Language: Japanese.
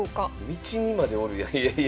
道にまでおるやん。